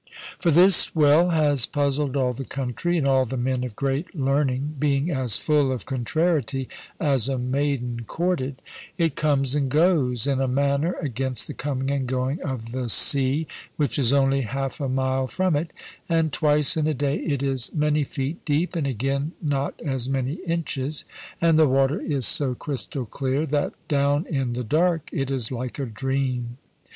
For this well has puzzled all the country, and all the men of great learning, being as full of contrariety as a maiden courted. It comes and goes, in a manner, against the coming and going of the sea, which is only half a mile from it; and twice in a day it is many feet deep, and again not as many inches. And the water is so crystal clear, that down in the dark it is like a dream.